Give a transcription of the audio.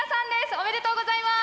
おめでとうございます！